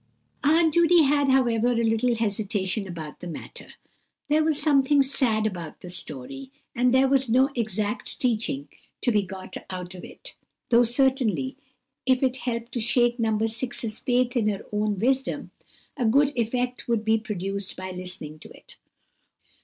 Aunt Judy had, however, a little hesitation about the matter. There was something sad about the story; and there was no exact teaching to be got out of it, though certainly if it helped to shake No. 6's faith in her own wisdom, a good effect would be produced by listening to it.